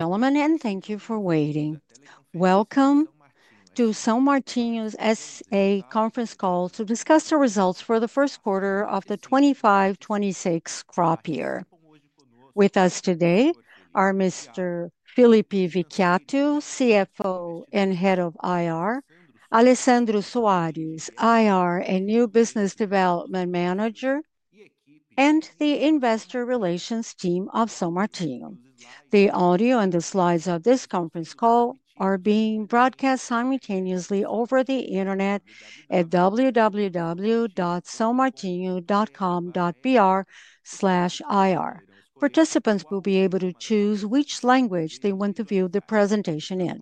Gentlemen, and thank you for waiting. Welcome to São Martinho S.A.'s conference call to discuss the results for the first quarter of the 2025-2026 crop year. With us today are Mr. Filipe Viquiato, CFO and Head of IR, Alessandro Soares, IR and New Business Development Manager, and the Investor Relations Team of São Martinho. The audio and the slides of this conference call are being broadcast simultaneously over the internet at www.saomartinho.com.br/ir. Participants will be able to choose which language they want to view the presentation in.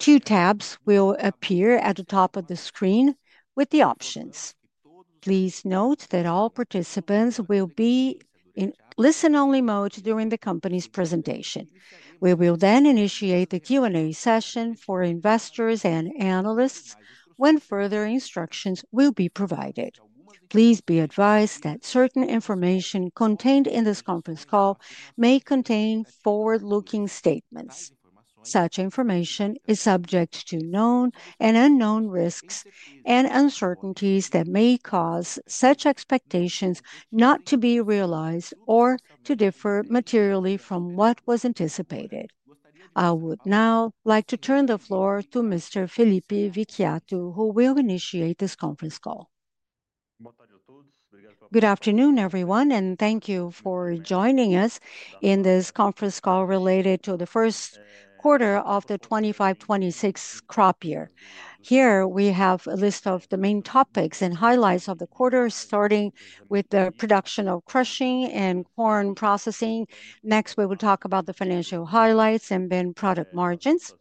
Two tabs will appear at the top of the screen with the options. Please note that all participants will be in listen-only mode during the company's presentation. We will then initiate the Q&A session for investors and analysts when further instructions will be provided. Please be advised that certain information contained in this conference call may contain forward-looking statements. Such information is subject to known and unknown risks and uncertainties that may cause such expectations not to be realized or to differ materially from what was anticipated. I would now like to turn the floor to Mr. Filipe Viquiato, who will initiate this conference call. Good afternoon, everyone, and thank you for joining us in this conference call related to the first quarter of the 2025-2026 crop year. Here we have a list of the main topics and highlights of the quarter, starting with the production of crushing and corn processing. Next, we will talk about the financial highlights and then product margins.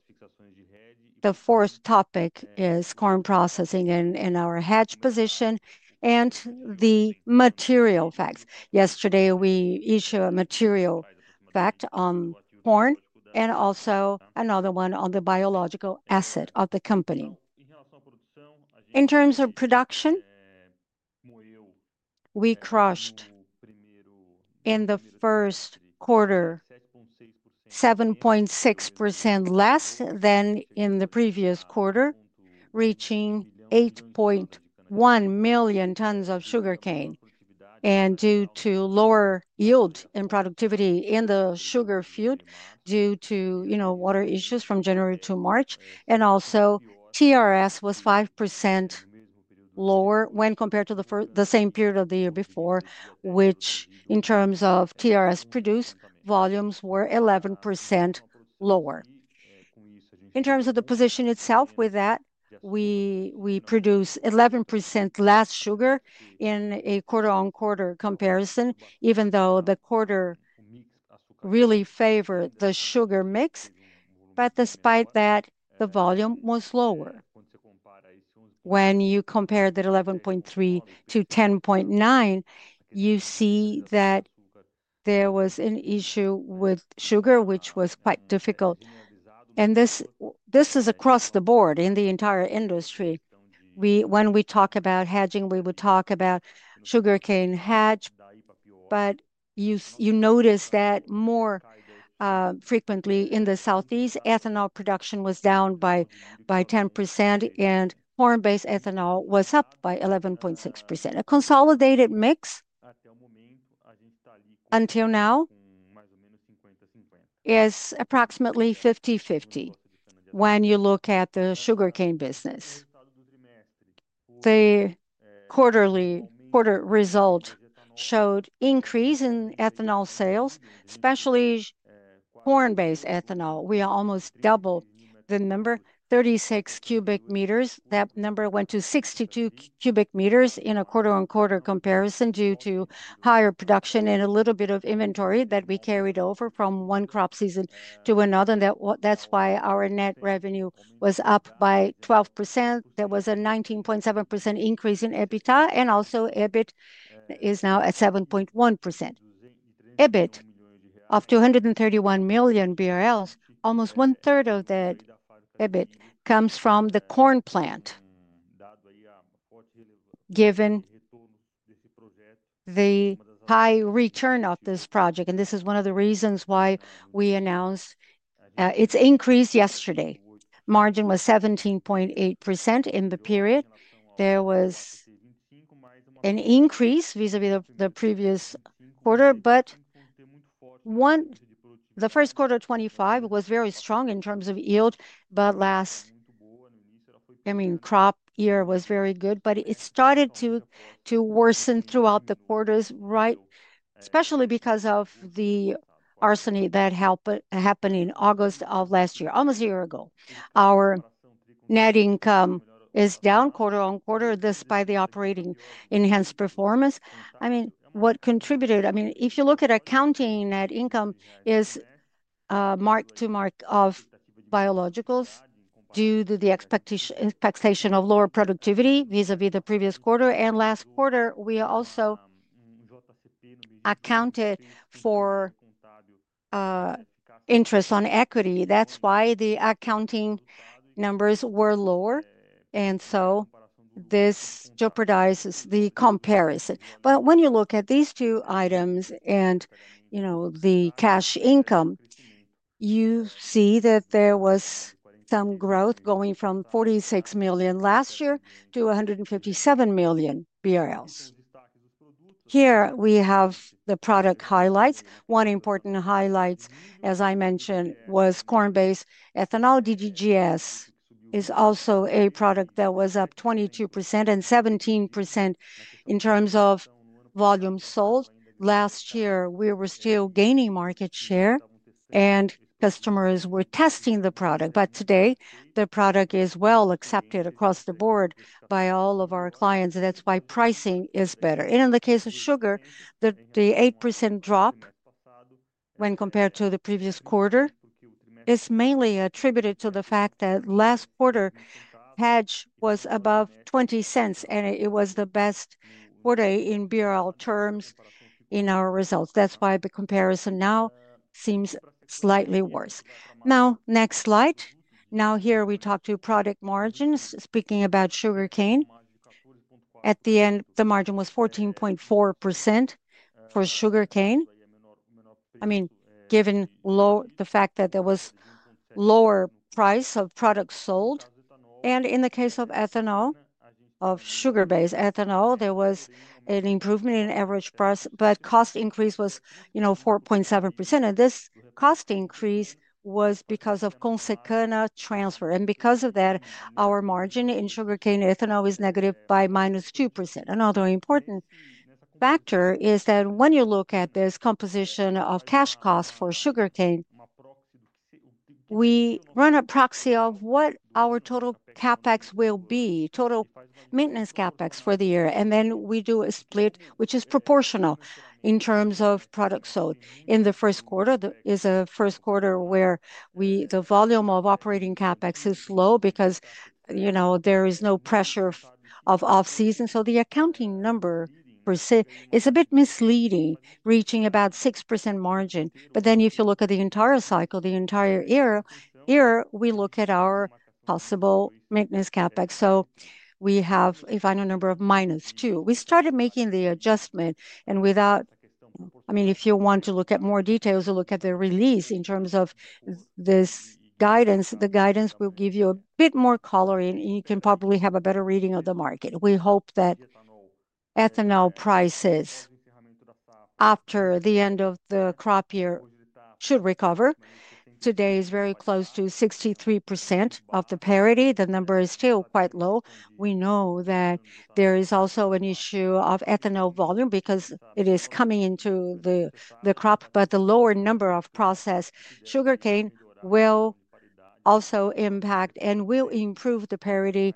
The fourth topic is corn processing and our hedge position and the material facts. Yesterday, we issued a material fact on corn and also another one on the biological asset of the company. In terms of production, we crushed in the first quarter 7.6% less than in the previous quarter, reaching 8.1 million tons of sugarcane. Due to lower yield and productivity in the sugar field, you know, water issues from January to March, and also TRS was 5% lower when compared to the same period of the year before, which in terms of TRS produced volumes were 11% lower. In terms of the position itself with that, we produced 11% less sugar in a quarter-on-quarter comparison, even though the quarter really favored the sugar mix. Despite that, the volume was lower. When you compare the 11.3%-10.9%, you see that there was an issue with sugar, which was quite difficult. This is across the board in the entire industry. When we talk about hedging, we would talk about sugarcane hedge. You notice that more frequently in the Southeast, ethanol production was down by 10% and corn-based ethanol was up by 11.6%. A consolidated mix until now is approximately 50-50 when you look at the sugarcane business. The quarter-on-quarter result showed increase in ethanol sales, especially corn-based ethanol. We almost doubled the number, 36 cubic meters. That number went to 62 cubic meters in a quarter-on-quarter comparison due to higher production and a little bit of inventory that we carried over from one crop season to another. That's why our net revenue was up by 12%. There was a 19.7% increase in EBITDA, and also EBIT is now at 7.1%. EBIT of R$231 million, almost one-third of that EBIT comes from the corn plant. Given the high return of this project, and this is one of the reasons why we announced its increase yesterday, margin was 17.8% in the period. There was an increase vis-à-vis the previous quarter, but the first quarter of 2025 was very strong in terms of yield. Last crop year was very good, but it started to worsen throughout the quarters, right? Especially because of the arsenal that happened in August of last year, almost a year ago. Our net income is down quarter-on-quarter despite the operating enhanced performance. What contributed, if you look at accounting net income, is mark-to-market of biologicals due to the expectation of lower productivity vis-à-vis the previous quarter. Last quarter, we also accounted for interest on equity. That's why the accounting numbers were lower. This jeopardizes the comparison. When you look at these two items and the cash income, you see that there was some growth going from R$46 million last year to R$157 million. Here we have the product highlights. One important highlight, as I mentioned, was corn-based ethanol. DDGS is also a product that was up 22% and 17% in terms of volume sold. Last year, we were still gaining market share and customers were testing the product. Today, the product is well accepted across the board by all of our clients, and that's why pricing is better. In the case of sugar, the 8% drop when compared to the previous quarter is mainly attributed to the fact that last quarter hedge was above $0.20, and it was the best quarter in BRL terms in our results. That's why the comparison now seems slightly worse. Now, next slide. Now here we talk to product margins, speaking about sugarcane. At the end, the margin was 14.4% for sugarcane, given the fact that there was a lower price of products sold. In the case of ethanol, of sugarcane-based ethanol, there was an improvement in average price, but cost increase was 4.7%. This cost increase was because of consequence transfer. Because of that, our margin in sugarcane ethanol is negative by -2%. Another important factor is that when you look at this composition of cash costs for sugarcane, we run a proxy of what our total CapEx will be, total maintenance CapEx for the year. We do a split, which is proportional in terms of product sold. In the first quarter, there is a first quarter where the volume of operating CapEx is low because there is no pressure of off-season. The accounting number is a bit misleading, reaching about 6% margin. If you look at the entire cycle, the entire year, we look at our possible maintenance CapEx. We have a final number of -2. We started making the adjustment, and if you want to look at more details, we'll look at the release in terms of this guidance. The guidance will give you a bit more coloring, and you can probably have a better reading of the market. We hope that ethanol prices after the end of the crop year should recover. Today is very close to 63% of the parity. The number is still quite low. We know that there is also an issue of ethanol volume because it is coming into the crop, but the lower number of processed sugarcane will also impact and will improve the parity,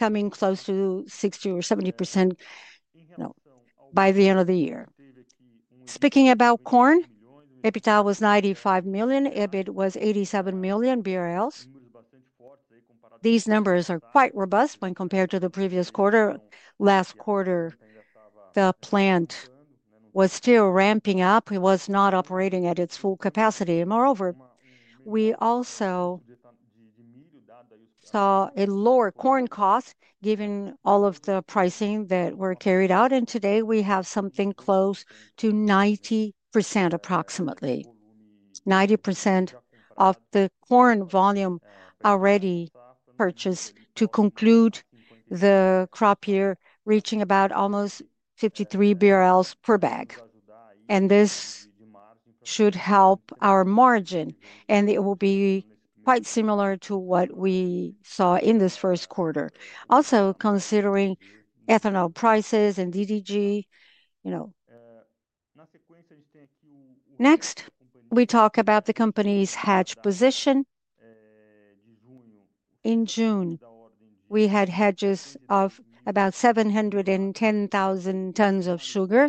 coming close to 60% or 70% by the end of the year. Speaking about corn, EBITDA was R$95 million, EBIT was R$87 million. These numbers are quite robust when compared to the previous quarter. Last quarter, the plant was still ramping up. It was not operating at its full capacity. Moreover, we also saw a lower corn cost given all of the pricing that were carried out. Today, we have something close to 90% approximately. 90% of the corn volume already purchased to conclude the crop year, reaching about almost R$53 per bag. This should help our margin, and it will be quite similar to what we saw in this first quarter. Also, considering ethanol prices and DDGS, next, we talk about the company's hedge position. In June, we had hedges of about 710,000 tons of sugar,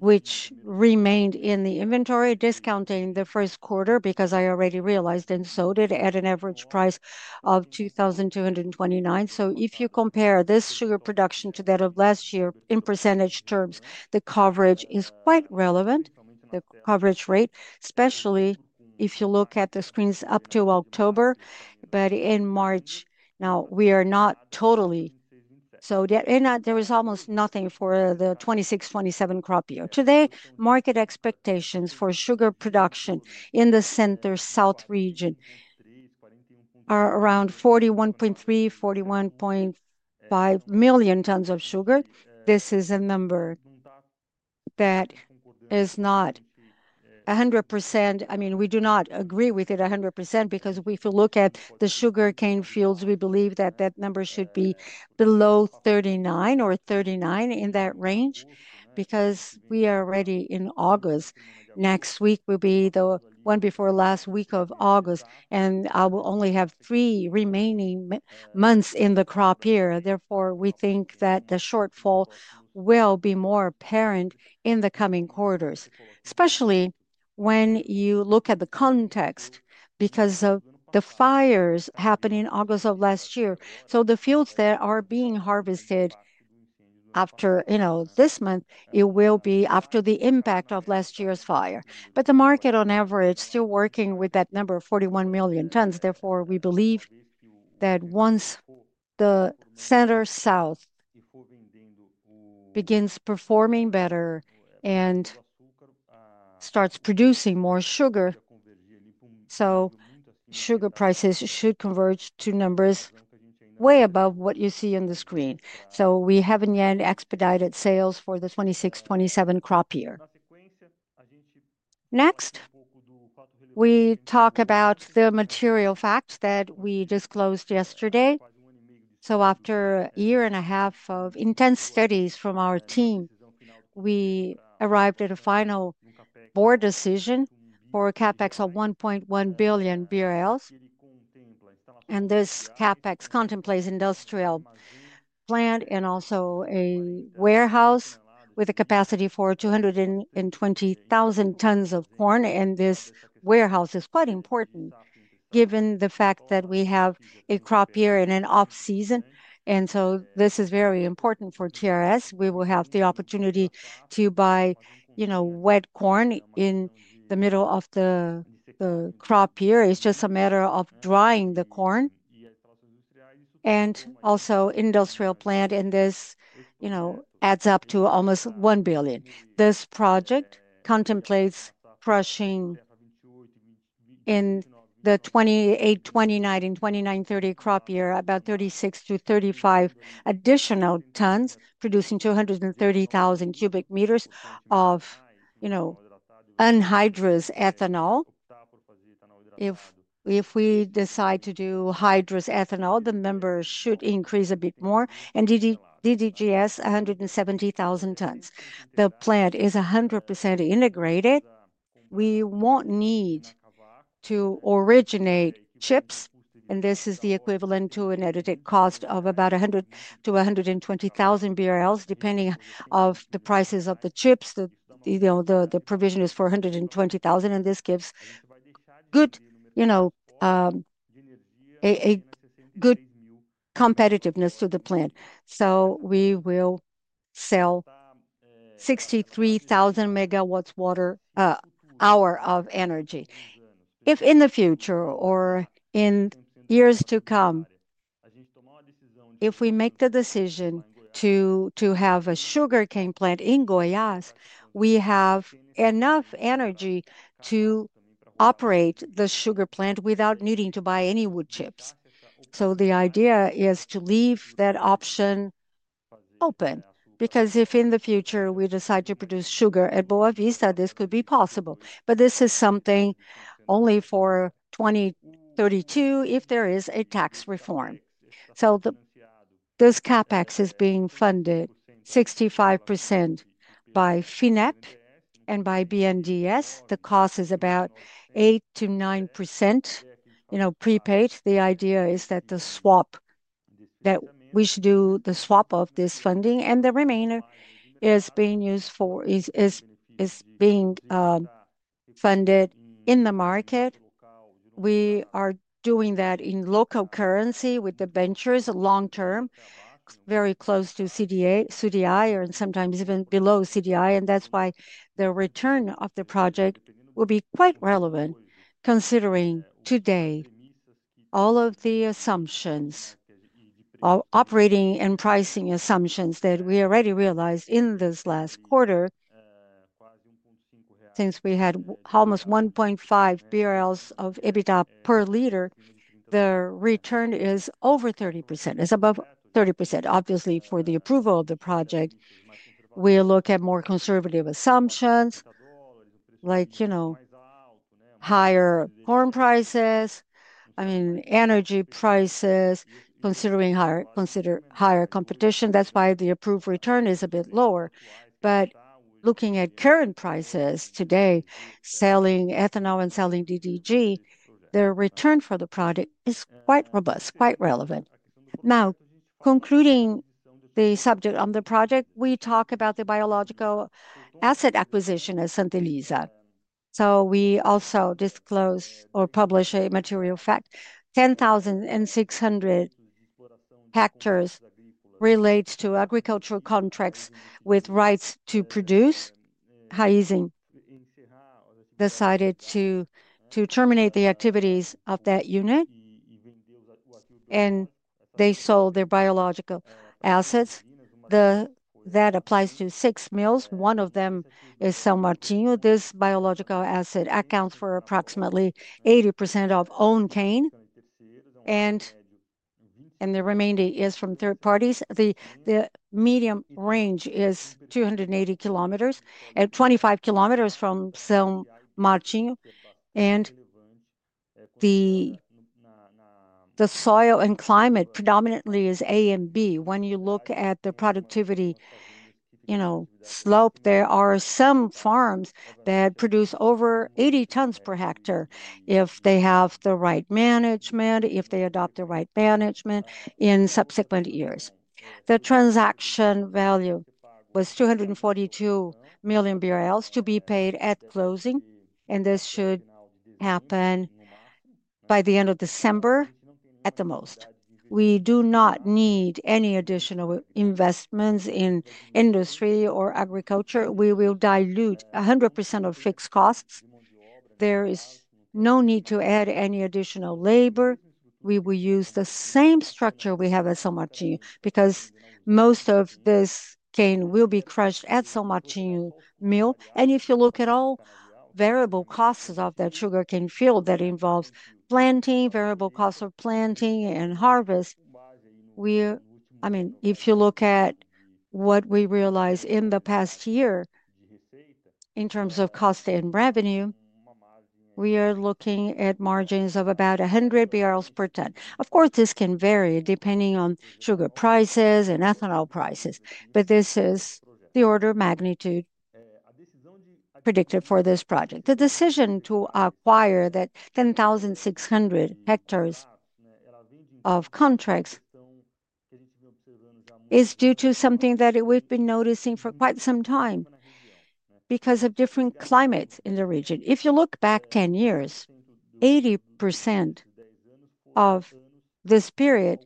which remained in the inventory, discounting the first quarter because I already realized and sold it at an average price of R$2,229. If you compare this sugar production to that of last year in % terms, the coverage is quite relevant, the coverage rate, especially if you look at the screens up to October. In March, now we are not totally sold yet, and there is almost nothing for the 2026-2027 crop year. Today, market expectations for sugar production in the center-south Brazil region are around 41.3, 41.5 million tons of sugar. This is a number that is not 100%. I mean, we do not agree with it 100% because if you look at the sugarcane fields, we believe that that number should be below 39 or 39 in that range because we are already in August. Next week will be the one before last week of August, and I will only have three remaining months in the crop year. Therefore, we think that the shortfall will be more apparent in the coming quarters, especially when you look at the context because of the fires happening in August of last year. The fields that are being harvested after, you know, this month, it will be after the impact of last year's fire. The market, on average, is still working with that number of 41 million tons. Therefore, we believe that once the center-south begins performing better and starts producing more sugar, sugar prices should converge to numbers way above what you see on the screen. We haven't yet expedited sales for the 2026-2027 crop year. Next, we talk about the material facts that we disclosed yesterday. After a year and a half of intense studies from our team, we arrived at a final board decision for a CAPEX of R$1.1 billion. This CAPEX contemplates industrial plant and also a warehouse with a capacity for 220,000 tons of corn. This warehouse is quite important given the fact that we have a crop year and an off-season. This is very important for TRS. We will have the opportunity to buy, you know, wet corn in the middle of the crop year. It's just a matter of drying the corn. Also, industrial plant in this, you know, adds up to almost R$1 billion. This project contemplates crushing in the 2028-2029 and 2029-2030 crop year about 36 to 35 additional tons, producing 230,000 cubic meters of, you know, anhydrous ethanol. If we decide to do hydrous ethanol, the numbers should increase a bit more. And DDGS, 170,000 tons. The plant is 100% integrated. We won't need to originate chips, and this is the equivalent to an additive cost of about $100,000 to $120,000, depending on the prices of the chips. The provision is for $120,000, and this gives a good competitiveness to the plant. We will sell 63,000 megawatts of energy. If in the future or in years to come, if we make the decision to have a sugarcane plant in Goiás, we have enough energy to operate the sugar plant without needing to buy any wood chips. The idea is to leave that option open because if in the future we decide to produce sugar at Boa Vista, this could be possible. This is something only for 2032 if there is a tax reform. This CAPEX is being funded 65% by FINEP and by BNDES. The cost is about 8% to 9%, prepaid. The idea is that we should do the swap of this funding and the remainder is being funded in the market. We are doing that in local currency with debentures long-term, very close to CDI or sometimes even below CDI. That's why the return of the project will be quite relevant considering today all of the assumptions of operating and pricing assumptions that we already realized in this last quarter. Since we had almost $1.5 of EBITDA per liter, the return is over 30%. It's above 30%. Obviously, for the approval of the project, we look at more conservative assumptions like higher corn prices, energy prices, considering higher competition. That's why the approved return is a bit lower. Looking at current prices today, selling ethanol and selling DDGS, the return for the project is quite robust, quite relevant. Now, concluding the subject on the project, we talk about the biological asset acquisition at Santa Elisa. We also disclose or publish a material fact. 10,600ha relate to agricultural contracts with rights to produce. They decided to terminate the activities of that unit, and they sold their biological assets. That applies to six mills. One of them is São Martinho. This biological asset accounts for approximately 80% of owned cane, and the remainder is from third parties. The medium range is 280km, at 25km from São Martinho. The soil and climate predominantly is A and B. When you look at the productivity, slope, there are some farms that produce over 80 tons/ha if they have the right management, if they adopt the right management in subsequent years. The transaction value was R$242 million to be paid at closing, and this should happen by the end of December at the most. We do not need any additional investments in industry or agriculture. We will dilute 100% of fixed costs. There is no need to add any additional labor. We will use the same structure we have at São Martinho because most of this cane will be crushed at São Martinho mill. If you look at all variable costs of that sugarcane field that involves planting, variable costs of planting, and harvest, if you look at what we realized in the past year in terms of cost and revenue, we are looking at margins of about R$100 per ton. Of course, this can vary depending on sugar prices and ethanol prices. This is the order of magnitude predicted for this project. The decision to acquire that 10,600ha of contracts is due to something that we've been noticing for quite some time because of different climates in the region. If you look back 10 years, 80% of this period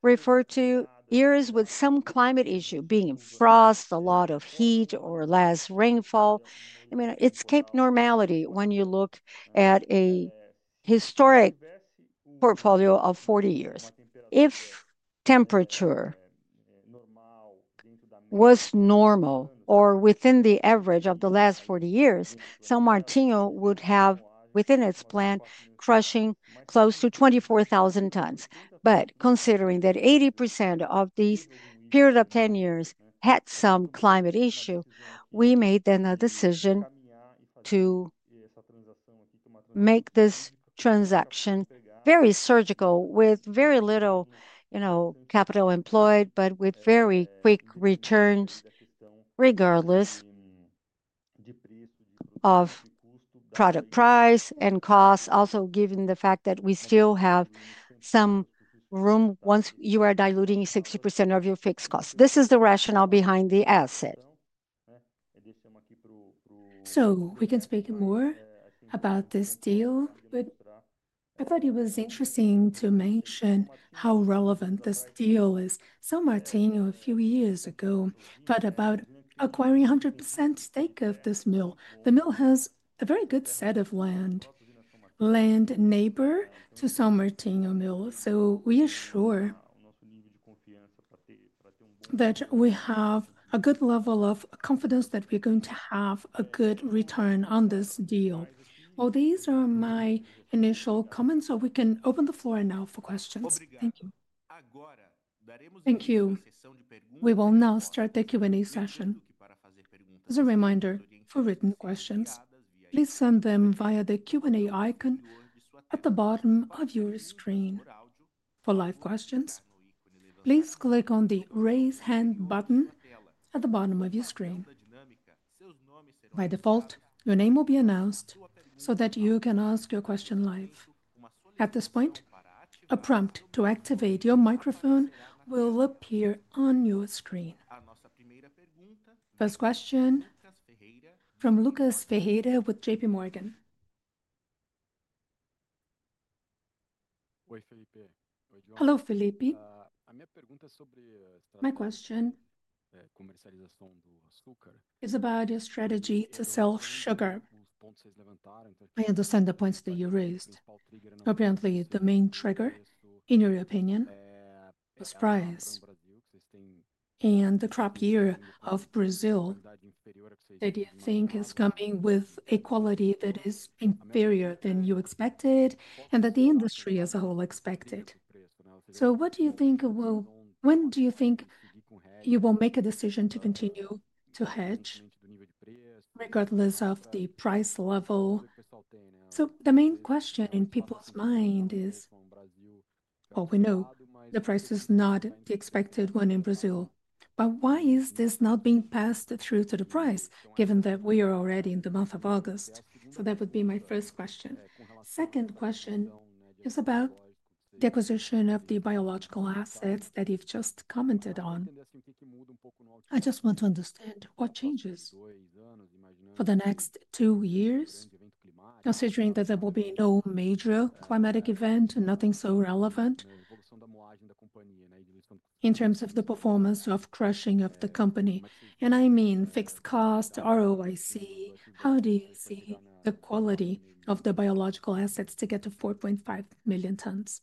refer to years with some climate issue, being frost, a lot of heat, or less rainfall. It escapes normality when you look at a historic portfolio of 40 years. If temperature was normal or within the average of the last 40 years, São Martinho would have within its plant crushing close to 24,000 tons. Considering that 80% of these periods of 10 years had some climate issue, we made a decision to make this transaction very surgical with very little capital employed, but with very quick returns regardless of product price and cost, also given the fact that we still have some room once you are diluting 60% of your fixed costs. This is the rationale behind the asset. We can speak more about this deal. I thought it was interesting to mention how relevant this deal is. São Martinho a few years ago thought about acquiring 100% stake of this mill. The mill has a very good set of land, land neighbor to São Martinho mill. We assure that we have a good level of confidence that we're going to have a good return on this deal. These are my initial comments, so we can open the floor now for questions. Thank you. We will now start the Q&A session. As a reminder, for written questions, please send them via the Q&A icon at the bottom of your screen. For live questions, please click on the raise hand button at the bottom of your screen. By default, your name will be announced so that you can ask your question live. At this point, a prompt to activate your microphone will appear on your screen. First question, from Lucas Ferreira with JP Morgan. Hello, Filipe. My question is about your strategy to sell sugar. I understand the points that you raised. Apparently, the main trigger, in your opinion, is price and the crop year of Brazil that you think is coming with a quality that is inferior than you expected and that the industry as a whole expected. What do you think will, when do you think you will make a decision to continue to hedge regardless of the price level? The main question in people's minds is, we know the price is not the expected one in Brazil. Why is this not being passed through to the price given that we are already in the month of August? That would be my first question. Second question is about the acquisition of the biological assets that you've just commented on. I just want to understand what changes for the next two years, considering that there will be no major climatic event, nothing so relevant in terms of the performance of crushing of the company. I mean fixed cost, ROIC. How do you see the quality of the biological assets to get to 4.5 million tons?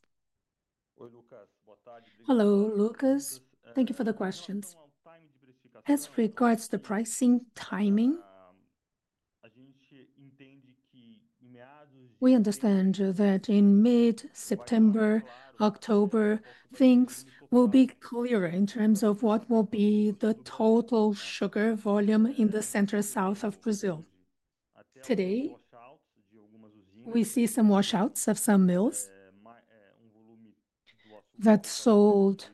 Hello, Lucas. Thank you for the questions. As regards to the pricing timing, we understand that in mid-September, October, things will be clearer in terms of what will be the total sugar volume in the center-south of Brazil. Today, we see some washouts of some mills that sold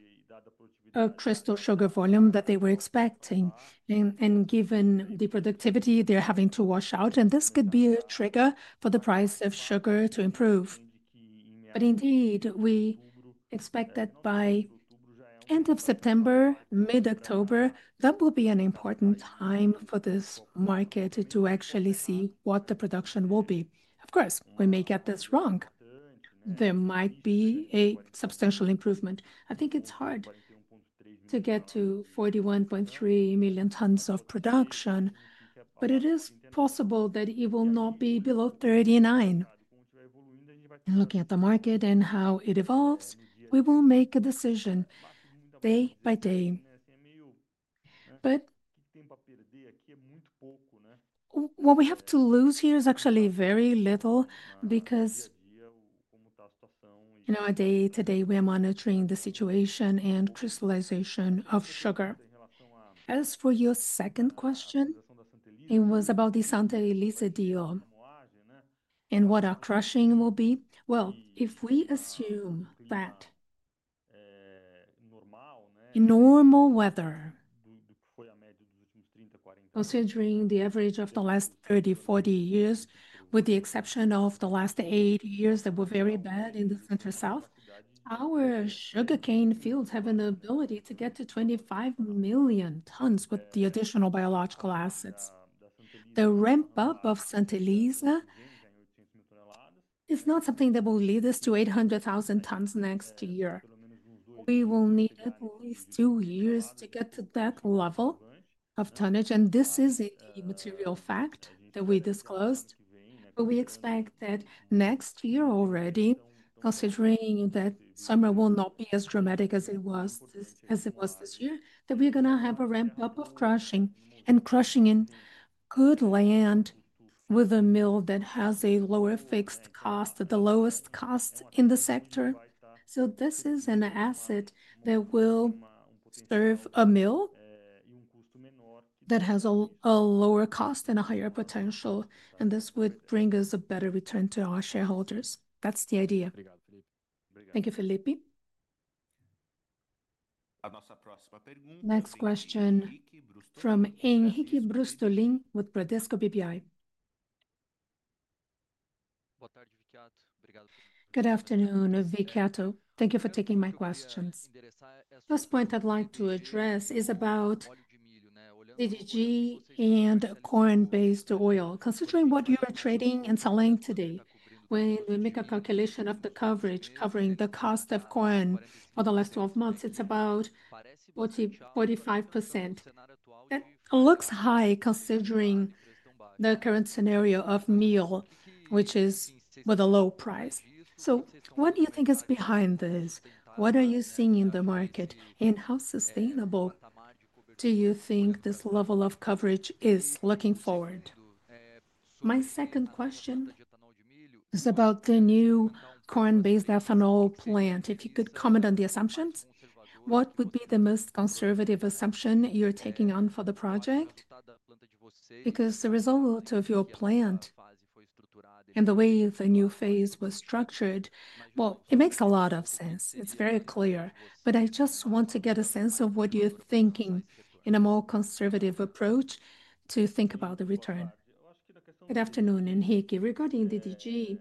a crystal sugar volume that they were expecting. Given the productivity, they're having to wash out. This could be a trigger for the price of sugar to improve. Indeed, we expect that by the end of September, mid-October, that will be an important time for this market to actually see what the production will be. Of course, we may get this wrong. There might be a substantial improvement. I think it's hard to get to 41.3 million tons of production, but it is possible that it will not be below 39. Looking at the market and how it evolves, we will make a decision day by day. What we have to lose here is actually very little because today we are monitoring the situation and crystallization of sugar. As for your second question, it was about the Santa Elisa deal and what our crushing will be. If we assume that in normal weather, considering the average of the last 30 or 40 years, with the exception of the last eight years that were very bad in the center-south, our sugarcane fields have an ability to get to 25 million tons with the additional biological assets. The ramp-up of Santa Elisa is not something that will lead us to 800,000 tons next year. We will need at least two years to get to that level of tonnage. This is a material fact that we disclosed. We expect that next year already, considering that summer will not be as dramatic as it was this year, that we're going to have a ramp-up of crushing and crushing in good land with a mill that has a lower fixed cost, the lowest cost in the sector. This is an asset that will serve a mill that has a lower cost and a higher potential. This would bring us a better return to our shareholders. That's the idea. Thank you, Filipe. Next question, from Henk Brüsteling with Bradesco BBI. Good afternoon, Viquiato. Thank you for taking my questions. First point I'd like to address is about DDGS and corn-based oil. Considering what you are trading and selling today, when we make a calculation of the coverage covering the cost of corn for the last 12 months, it's about 45%. It looks high considering the current scenario of meal, which is with a low price. What do you think is behind this? What are you seeing in the market? How sustainable do you think this level of coverage is looking forward? My second question is about the new corn-based ethanol plant. If you could comment on the assumptions, what would be the most conservative assumption you're taking on for the project? The result of your plant and the way the new phase was structured, it makes a lot of sense. It's very clear. I just want to get a sense of what you're thinking in a more conservative approach to think about the return. Good afternoon, Henrique. Regarding DDGS,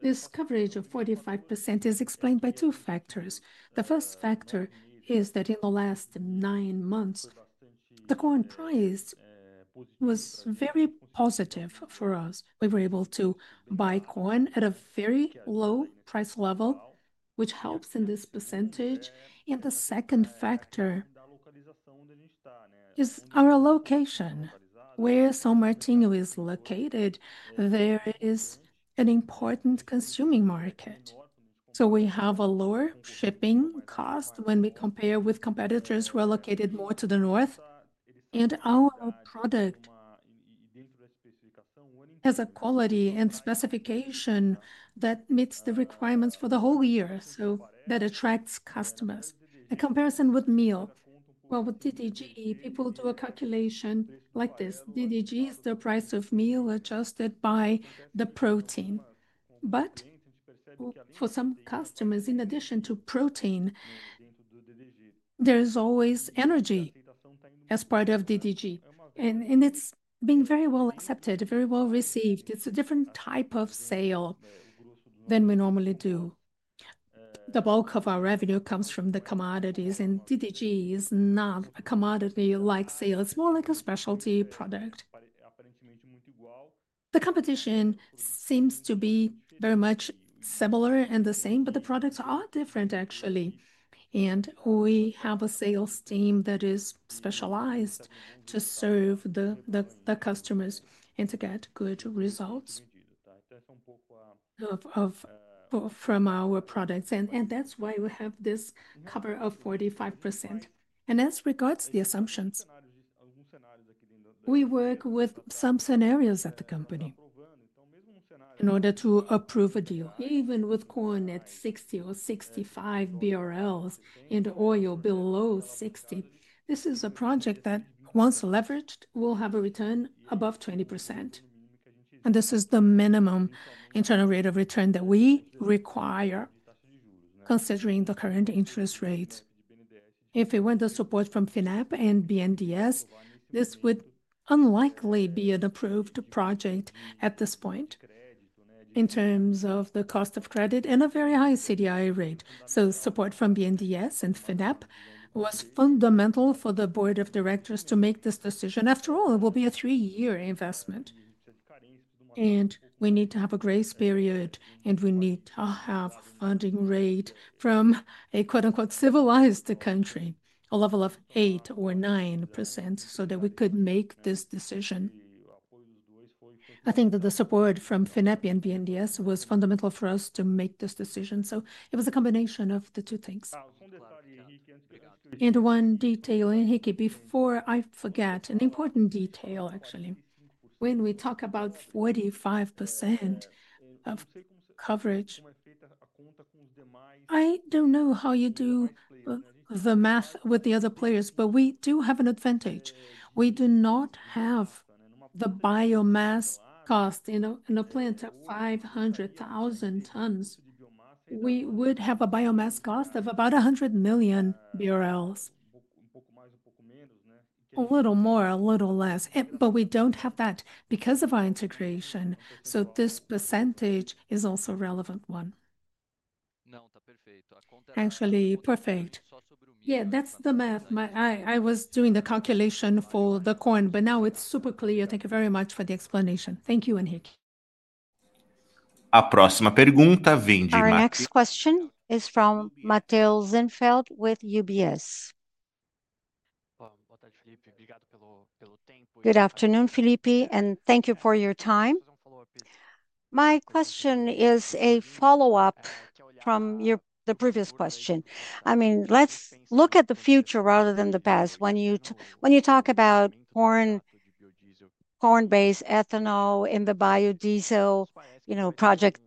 this coverage of 45% is explained by two factors. The first factor is that in the last nine months, the corn price was very positive for us. We were able to buy corn at a very low price level, which helps in this percentage. The second factor is our location. Where São Martinho is located, there is an important consuming market. We have a lower shipping cost when we compare with competitors who are located more to the north. Our product has a quality and specification that meets the requirements for the whole year. That attracts customers. A comparison with meal. With DDGS, people do a calculation like this. DDGS is the price of meal adjusted by the protein. For some customers, in addition to protein, there is always energy as part of DDGS. It's been very well accepted, very well received. It's a different type of sale than we normally do. The bulk of our revenue comes from the commodities, and DDGS is not a commodity-like sale. It's more like a specialty product. The competition seems to be very much similar and the same, but the products are different, actually. We have a sales team that is specialized to serve the customers and to get good results from our products. That's why we have this cover of 45%. As regards to the assumptions, we work with some scenarios at the company in order to approve a deal. Even with corn at 60 or 65 BRL and oil below 60, this is a project that once leveraged, will have a return above 20%. This is the minimum internal rate of return that we require, considering the current interest rate. If we want the support from FINEP and BNDES, this would unlikely be an approved project at this point in terms of the cost of credit and a very high CDI rate. Support from BNDES and FINEP was fundamental for the board of directors to make this decision. After all, it will be a three-year investment. We need to have a grace period, and we need to have a funding rate from a quote-unquote "civilized" country, a level of 8 or 9% so that we could make this decision. I think that the support from FINEP and BNDES was fundamental for us to make this decision. It was a combination of the two things. One detail, Henrique, before I forget, an important detail, actually. When we talk about 45% of coverage, I don't know how you do the math with the other players, but we do have an advantage. We do not have the biomass cost in a plant of 500,000 tons. We would have a biomass cost of about 100 million BRL. A little more, a little less. We don't have that because of our integration. This percentage is also a relevant one. Actually, perfect. That's the math. I was doing the calculation for the corn, but now it's super clear. Thank you very much for the explanation. Thank you, Henrique. My next question is from Mateus Zinfeld with UBS. Good afternoon, Filipe, and thank you for your time. My question is a follow-up from the previous question. I mean, let's look at the future rather than the past. When you talk about corn-based ethanol in the biodiesel project,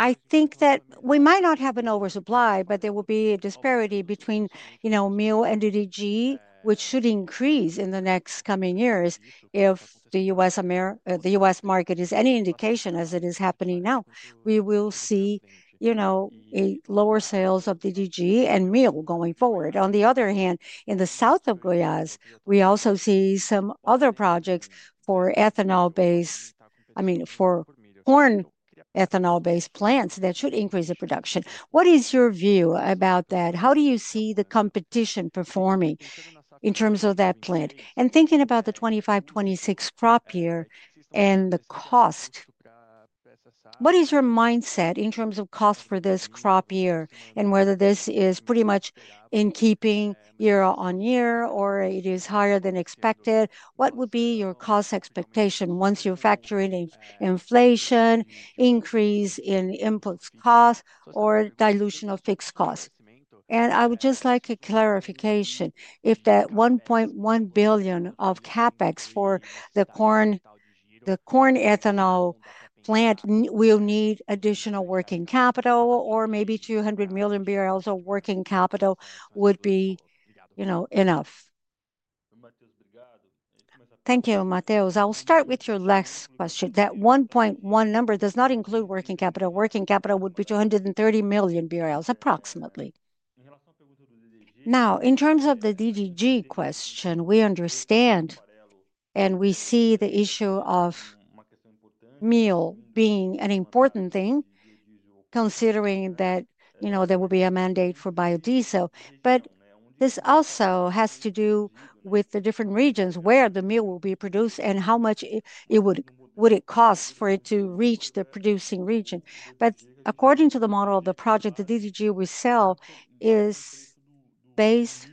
I think that we might not have an oversupply, but there will be a disparity between meal and DDGS, which should increase in the next coming years if the U.S. market is any indication as it is happening now. We will see lower sales of DDGS and meal going forward. On the other hand, in the south of Goiás, we also see some other projects for corn ethanol-based plants that should increase the production. What is your view about that? How do you see the competition performing in terms of that plant? Thinking about the 2025-2026 crop year and the cost, what is your mindset in terms of cost for this crop year? Whether this is pretty much in keeping year on year, or it is higher than expected, what would be your cost expectation once you factor in inflation, increase in input cost, or dilution of fixed cost? I would just like a clarification. If that $1.1 billion of CapEx for the corn ethanol plant will need additional working capital, or maybe $200 million BRL of working capital would be enough? Thank you, Mateus. I'll start with your last question. That $1.1 billion number does not include working capital. Working capital would be $230 million BRL, approximately. Now, in terms of the DDGS question, we understand and we see the issue of meal being an important thing, considering that there will be a mandate for biodiesel. This also has to do with the different regions where the meal will be produced and how much it would cost for it to reach the producing region. According to the model of the project, the DDGS we sell is based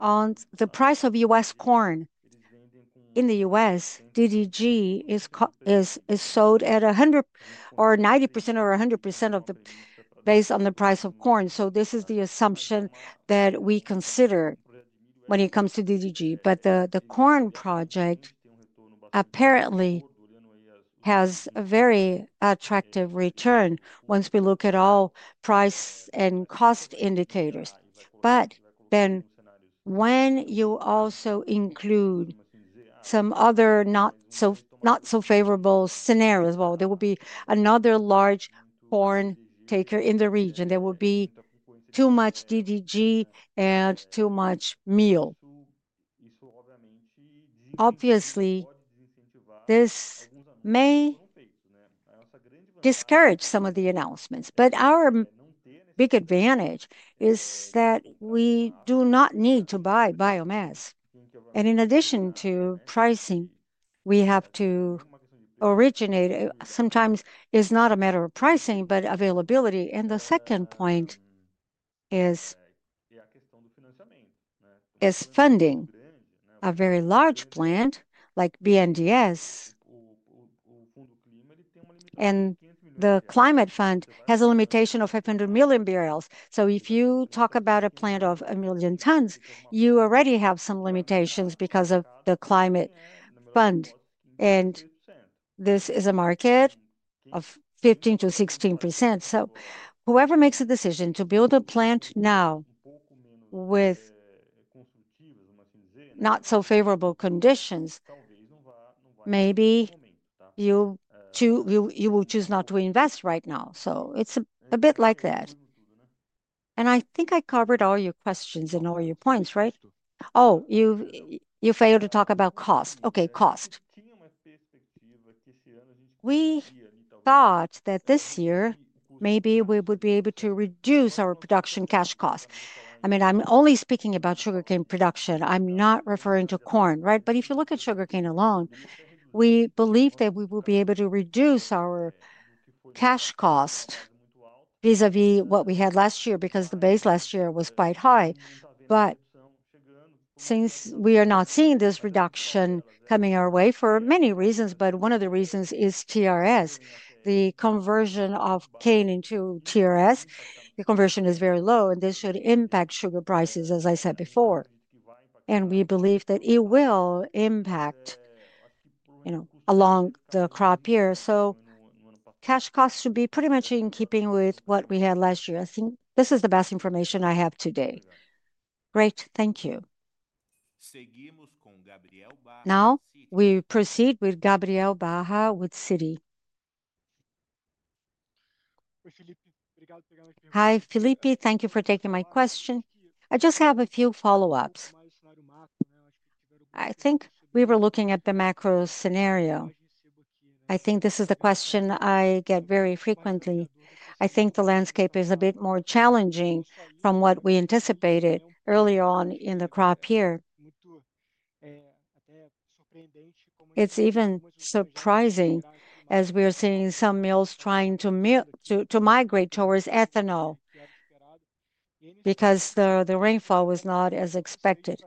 on the price of U.S. corn. In the U.S., DDGS is sold at 90% or 100% based on the price of corn. This is the assumption that we consider when it comes to DDGS. The corn project apparently has a very attractive return once we look at all price and cost indicators. When you also include some other not-so-favorable scenarios, there will be another large corn taker in the region. There will be too much DDGS and too much meal. Obviously, this may discourage some of the announcements. Our big advantage is that we do not need to buy biomass. In addition to pricing, we have to originate. Sometimes it's not a matter of pricing, but availability. The second point is funding. A very large plant like BNDES and the climate fund has a limitation of R$500 million. If you talk about a plant of a million tons, you already have some limitations because of the climate fund. This is a market of 15%-16%. Whoever makes a decision to build a plant now with not-so-favorable conditions, maybe you will choose not to invest right now. It's a bit like that. I think I covered all your questions and all your points, right? Oh, you failed to talk about cost. Okay, cost. We thought that this year, maybe we would be able to reduce our production cash cost. I'm only speaking about sugarcane production. I'm not referring to corn, right? If you look at sugarcane alone, we believe that we will be able to reduce our cash cost vis-à-vis what we had last year because the base last year was quite high. Since we are not seeing this reduction coming our way for many reasons, one of the reasons is TRS. The conversion of cane into TRS, the conversion is very low, and this should impact sugar prices, as I said before. We believe that it will impact, you know, along the crop year. Cash costs should be pretty much in keeping with what we had last year. I think this is the best information I have today. Great. Thank you. Now, we proceed with Gabriel Baja with Citi. Hi, Filipe. Thank you for taking my question. I just have a few follow-ups. I think we were looking at the macro scenario. I think this is the question I get very frequently. I think the landscape is a bit more challenging from what we anticipated early on in the crop year. It's even surprising as we are seeing some mills trying to migrate towards ethanol because the rainfall was not as expected.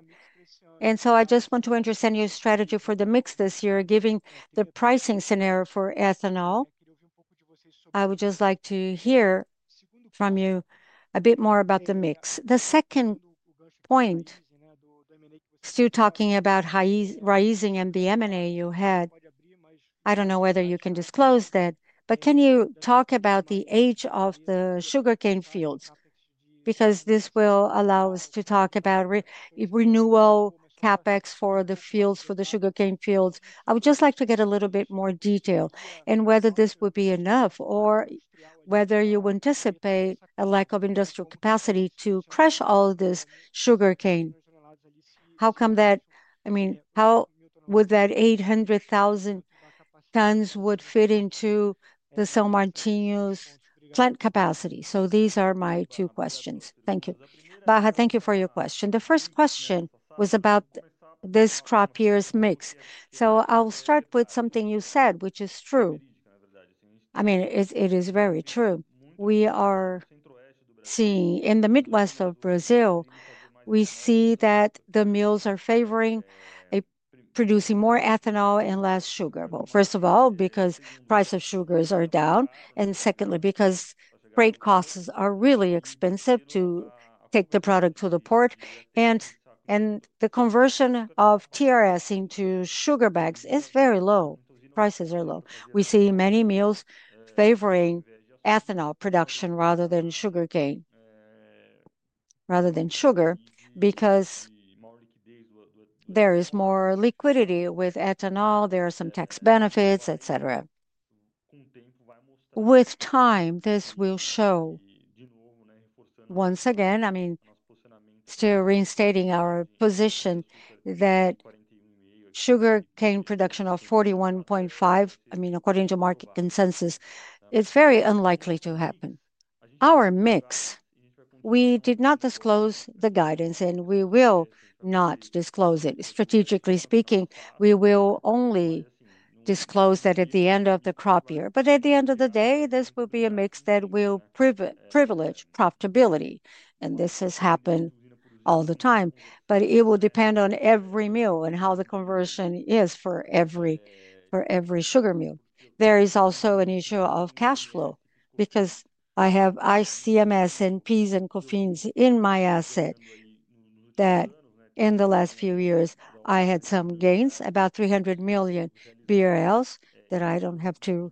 I just want to understand your strategy for the mix this year, given the pricing scenario for ethanol. I would just like to hear from you a bit more about the mix. The second point, still talking about raising and the M&A you had, I don't know whether you can disclose that, but can you talk about the age of the sugarcane fields? This will allow us to talk about renewal CAPEX for the fields, for the sugarcane fields. I would just like to get a little bit more detail and whether this would be enough or whether you anticipate a lack of industrial capacity to crush all of this sugarcane. How come that, I mean, how would that 800,000 tons would fit into the São Martinho's plant capacity? These are my two questions. Thank you. Baja, thank you for your question. The first question was about this crop year's mix. I'll start with something you said, which is true. I mean, it is very true. We are seeing in the Midwest of Brazil, we see that the mills are favoring producing more ethanol and less sugar. First of all, because the price of sugar is down, and secondly, because freight costs are really expensive to take the product to the port. The conversion of TRS into sugar bags is very low. Prices are low. We see many mills favoring ethanol production rather than sugar because there is more liquidity with ethanol. There are some tax benefits, etc. With time, this will show once again, I mean, still reinstating our position that sugarcane production of 41.5, I mean, according to market consensus, is very unlikely to happen. Our mix, we did not disclose the guidance, and we will not disclose it. Strategically speaking, we will only disclose that at the end of the crop year. At the end of the day, this will be a mix that will privilege profitability. This has happened all the time. It will depend on every mill and how the conversion is for every sugar mill. There is also an issue of cash flow because I have ICMS and PIS and Cofins in my asset that in the last few years, I had some gains, about 300 million BRL that I don't have to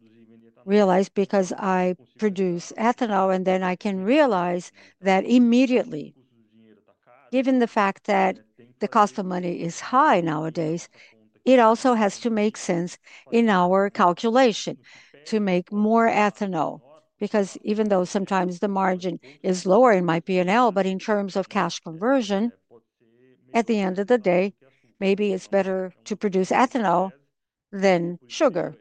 realize because I produce ethanol. I can realize that immediately, given the fact that the cost of money is high nowadays, it also has to make sense in our calculation to make more ethanol because even though sometimes the margin is lower in my P&L, in terms of cash conversion, at the end of the day, maybe it's better to produce ethanol than sugar.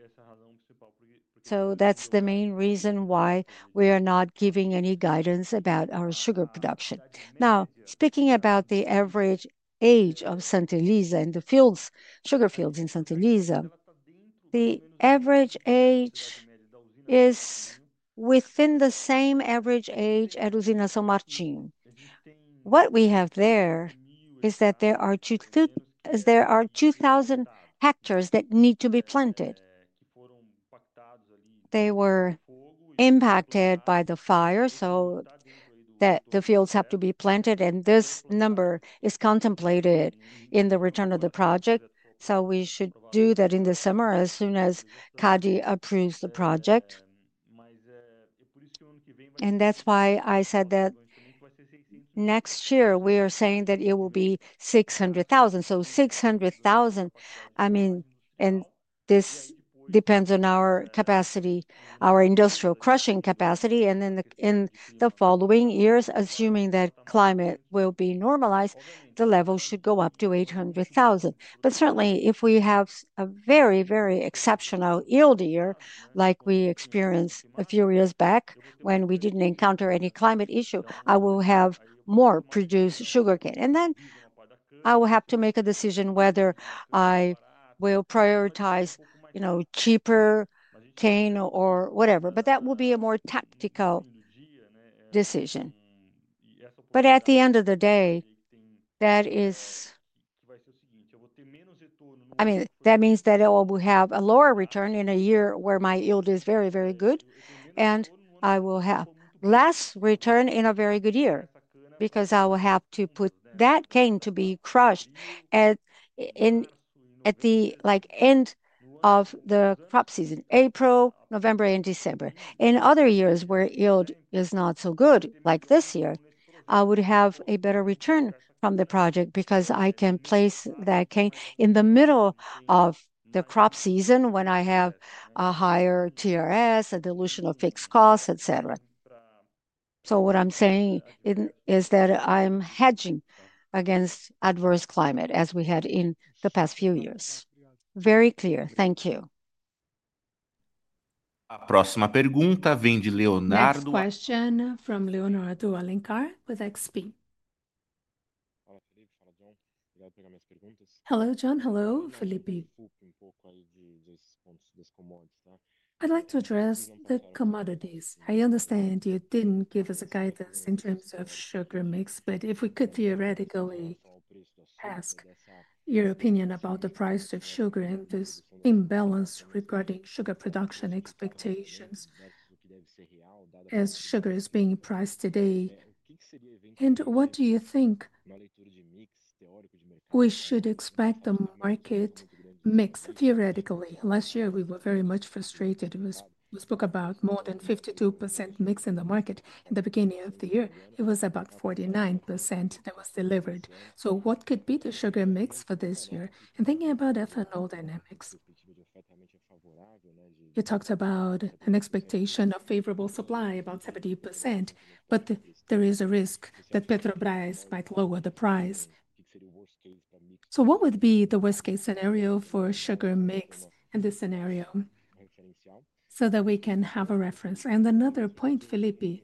That's the main reason why we are not giving any guidance about our sugar production. Now, speaking about the average age of Santa Elisa and the sugar fields in Santa Elisa, the average age is within the same average age as São Martinho. What we have there is that there are 2,000ha that need to be planted. They were impacted by the fire, so the fields have to be planted. This number is contemplated in the return of the project. We should do that in the summer as soon as CADE approves the project. That's why I said that next year, we are saying that it will be 600,000. So 600,000, I mean, and this depends on our capacity, our industrial crushing capacity. In the following years, assuming that climate will be normalized, the level should go up to 800,000. Certainly, if we have a very, very exceptional yield year, like we experienced a few years back when we didn't encounter any climate issue, I will have more produced sugarcane. I will have to make a decision whether I will prioritize, you know, cheaper cane or whatever. That will be a more tactical decision. At the end of the day, that means that we will have a lower return in a year where my yield is very, very good. I will have less return in a very good year because I will have to put that cane to be crushed at the end of the crop season, April, November, and December. In other years where yield is not so good, like this year, I would have a better return from the project because I can place that cane in the middle of the crop season when I have a higher TRS, a dilution of fixed costs, etc. What I'm saying is that I'm hedging against adverse climate as we had in the past few years. Very clear. Thank you. Next question from Leonardo Alencar with XP. Hello, John. Hello, Filipe. I'd like to address the commodities. I understand you didn't give us a guidance in terms of sugar mix, but if we could theoretically, I'll ask your opinion about the price of sugar and this imbalance regarding sugar production expectations. What do you think, in the price today? What do you think we should expect the market mix theoretically? Last year, we were very much frustrated. We spoke about more than 52% mix in the market. In the beginning of the year, it was about 49% that was delivered. What could be the sugar mix for this year? Thinking about ethanol dynamics, you talked about an expectation of favorable supply, about 70%. There is a risk that Petrobras might lower the price. What would be the worst-case scenario for sugar mix in this scenario? That way we can have a reference. Another point, Filipe,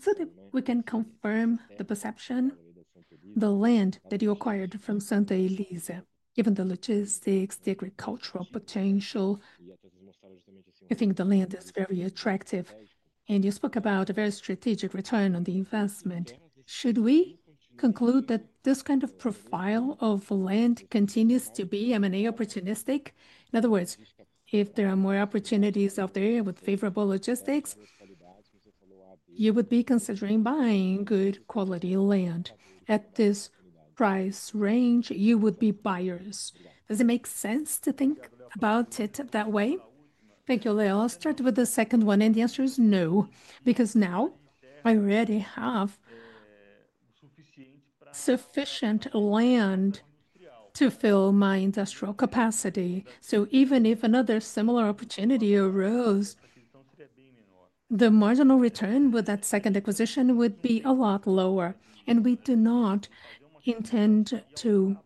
so that we can confirm the perception, the land that you acquired from Santa Elisa, given the logistics, the agricultural potential, I think the land is very attractive. You spoke about a very strategic return on the investment. Should we conclude that this kind of profile of land continues to be M&A opportunistic? In other words, if there are more opportunities out there with favorable logistics, you would be considering buying good quality land. At this price range, you would be buyers. Does it make sense to think about it that way? Thank you. I'll start with the second one. The answer is no, because now I already have sufficient land to fill my industrial capacity. Even if another similar opportunity arose, the marginal return with that second acquisition would be a lot lower. We do not intend to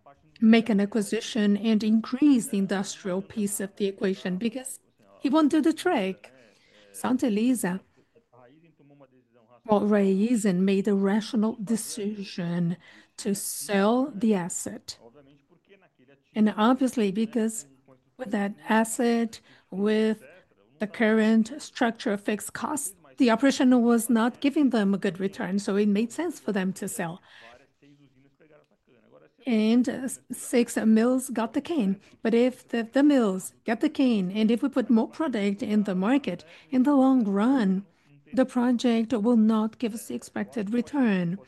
make an acquisition and increase the industrial piece of the equation because it won't do the trick. Santa Elisa will raise and make the rational decision to sell the asset. Obviously, because with that asset, with the current structure of fixed costs, the operation was not giving them a good return. It made sense for them to sell. Six mills got the cane. If the mills get the cane, and if we put more product in the market, in the long run, the project will not give us the expected return.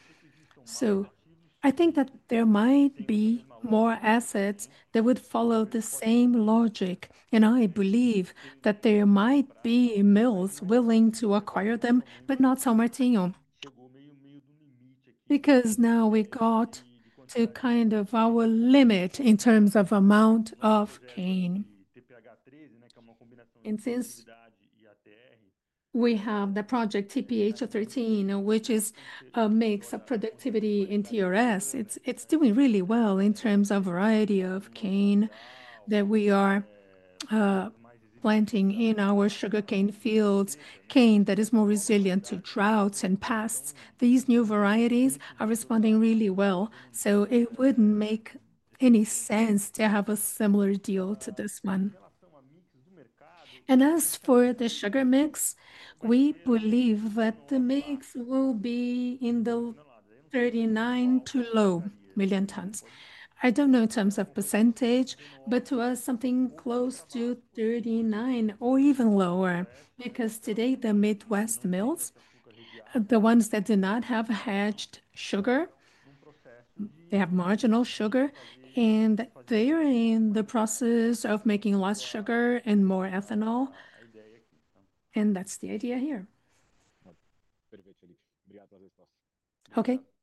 I think that there might be more assets that would follow the same logic. I believe that there might be mills willing to acquire them, but not São Martinho. Now we got to kind of our limit in terms of amount of cane. Since we have the project TPH13, which is a mix of productivity and TRS, it's doing really well in terms of a variety of cane that we are planting in our sugarcane fields. Cane that is more resilient to droughts and pests. These new varieties are responding really well. It wouldn't make any sense to have a similar deal to this one. As for the sugar mix, we believe that the mix will be in the 39 to low million tons. I don't know in terms of percentage, but to us, something close to 39 or even lower because today the Midwest mills, the ones that do not have hedged sugar, they have marginal sugar, and they're in the process of making less sugar and more ethanol. That's the idea here.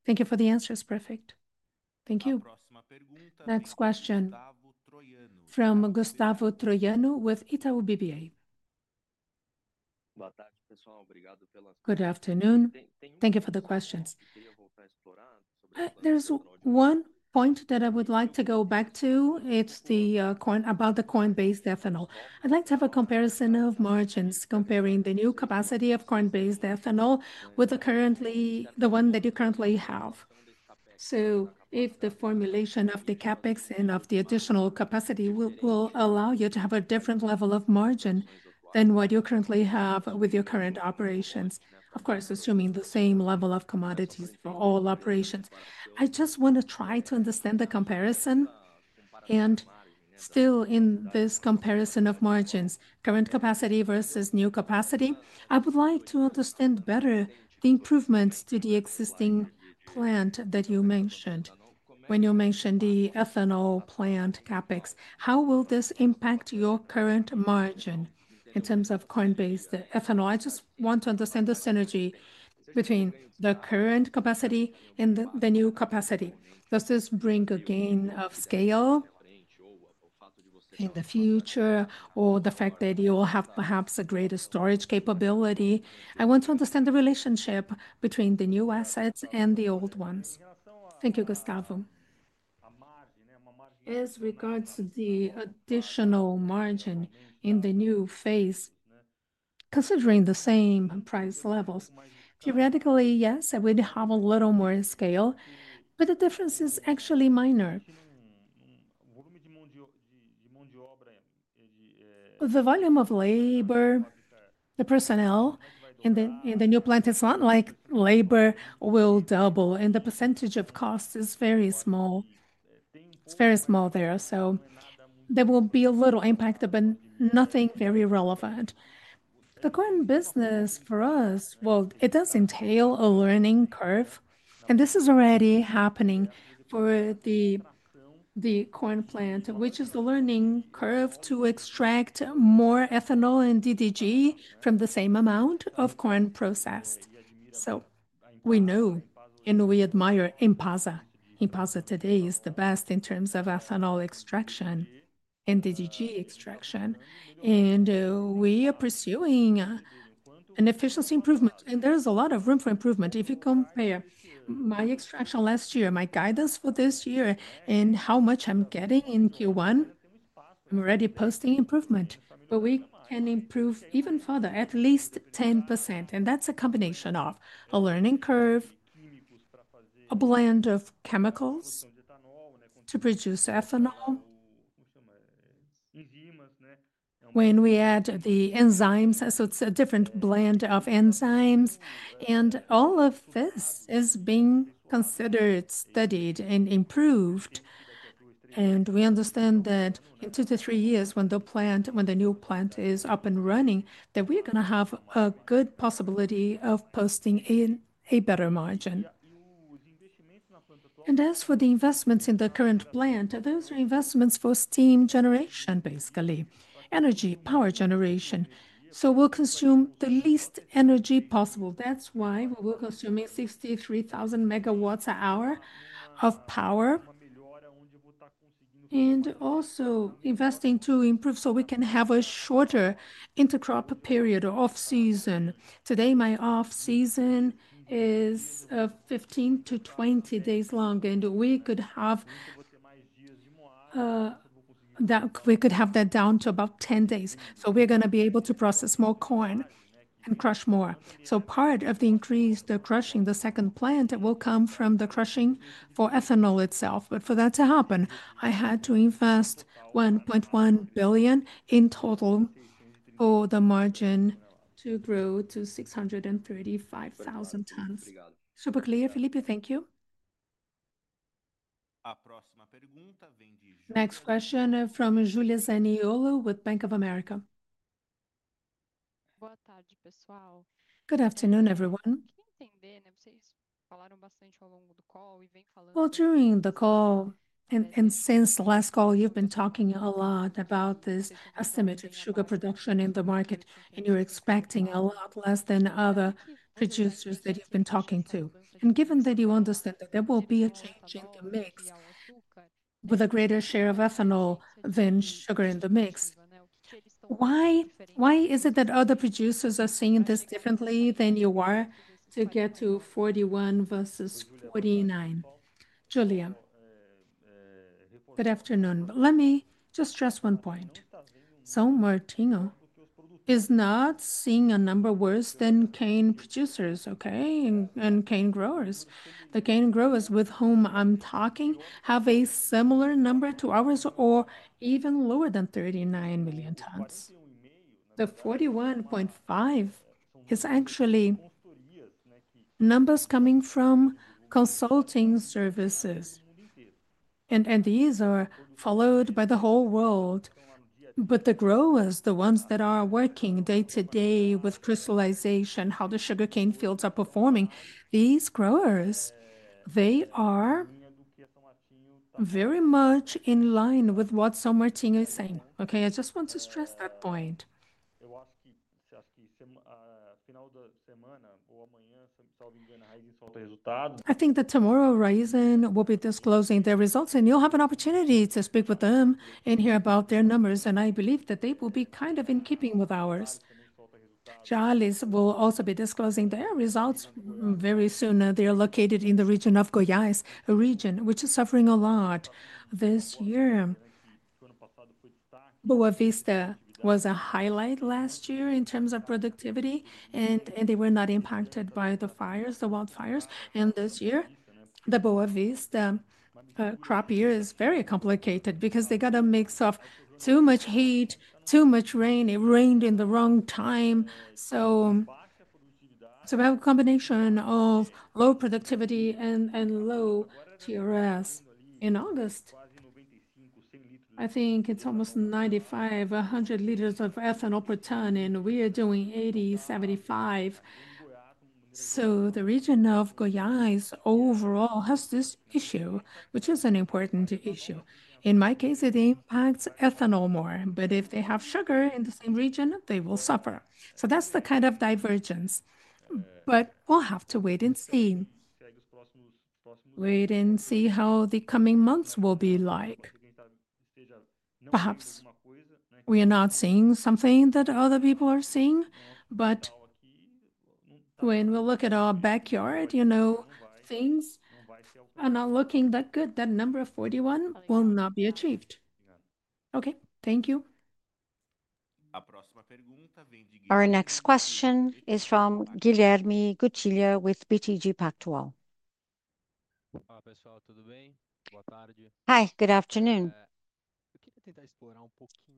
Thank you for the answers. Perfect. Thank you. Next question. Gustavo Troyano with Itaú BBA. Good afternoon. Thank you for the questions. There's one point that I would like to go back to. It's about the corn-based ethanol. I'd like to have a comparison of margins comparing the new capacity of corn-based ethanol with the one that you currently have. If the formulation of the CapEx and of the additional capacity will allow you to have a different level of margin than what you currently have with your current operations, of course, assuming the same level of commodities for all operations. I just want to try to understand the comparison. Still, in this comparison of margins, current capacity versus new capacity, I would like to understand better improvements to the existing plant that you mentioned when you mentioned the ethanol plant CAPEX. How will this impact your current margin in terms of corn-based ethanol? I just want to understand the synergy between the current capacity and the new capacity. Does this bring a gain of scale in the future or the fact that you will have perhaps a greater storage capability? I want to understand the relationship between the new assets and the old ones. Thank you, Gustavo. As regards to the additional margin in the new phase, considering the same price levels, theoretically, yes, I would have a little more scale, but the difference is actually minor. The volume of labor, the personnel, and the new plant is not like labor will double, and the percentage of cost is very small. It's very small there. There will be a little impact, but nothing very relevant. The corn business for us does entail a learning curve. This is already happening for the corn plant, which is the learning curve to extract more ethanol and DDGS from the same amount of corn processed. We know and we admire Impasa. Impasa today is the best in terms of ethanol extraction and DDGS extraction. We are pursuing an efficiency improvement, and there's a lot of room for improvement. If you compare my extraction last year, my guidance for this year, and how much I'm getting in Q1, I'm already posting improvement. We can improve even further, at least 10%. That's a combination of a learning curve, a blend of chemicals to produce ethanol, when we add the enzymes. It's a different blend of enzymes. All of this is being considered, studied, and improved. We understand that in two to three years, when the new plant is up and running, we are going to have a good possibility of posting a better margin. As for the investments in the current plant, those are investments for steam generation, basically, energy, power generation. We will consume the least energy possible. That's why we're consuming 63,000 megawatts an hour of power and also investing to improve so we can have a shorter intercrop period or off-season. Today, my off-season is 15 to 20 days long, and we could have that down to about 10 days. We are going to be able to process more corn and crush more. Part of the increase, the crushing, the second plant will come from the crushing for ethanol itself. For that to happen, I had to invest 1.1 billion in total for the margin to grow to 635,000 tons. Super clear, Filipe. Thank you. Next question from Julia Zaniolo with Bank of America. Good afternoon, everyone. During the call, and since the last call, you've been talking a lot about this estimated sugar production in the market, and you're expecting a lot less than other producers that you've been talking to. Given that you understand that there will be a change in the mix with a greater share of ethanol than sugar in the mix, why is it that other producers are seeing this differently than you are to get to 41% versus 49%? Julia, good afternoon. Let me just stress one point. São Martinho is not seeing a number worse than cane producers, okay, and cane growers. The cane growers with whom I'm talking have a similar number to ours or even lower than 39 million tons. The 41.5 is actually numbers coming from consulting services. These are followed by the whole world. The growers, the ones that are working day-to-day with crystallization, how the sugarcane fields are performing, these growers, they are very much in line with what São Martinho is saying. I just want to stress that point. I think that tomorrow, Raízen will be disclosing their results, and you'll have an opportunity to speak with them and hear about their numbers. I believe that they will be kind of in keeping with ours. Challis will also be disclosing their results very soon. They are located in the region of Goiás, a region which is suffering a lot this year. Boa Vista was a highlight last year in terms of productivity, and they were not impacted by the fires, the wildfires. This year, the Boa Vista crop year is very complicated because they got a mix of too much heat, too much rain. It rained at the wrong time. We have a combination of low productivity and low TRS. In August, I think it's almost 95, 100 liters of ethanol per ton, and we are doing 80, 75. The region of Goiás overall has this issue, which is an important issue. In my case, it impacts ethanol more, but if they have sugar in the same region, they will suffer. That's the kind of divergence. We'll have to wait and see how the coming months will be like. Perhaps we are not seeing something that other people are seeing, but when we look at our backyard, things are not looking that good. That number of 41 will not be achieved. Thank you. Our next question is from Guilherme Cotilha with BTG Pactual. Hi, everyone. All good? Good afternoon. Hi. Good afternoon.